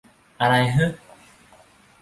อะไรฮึ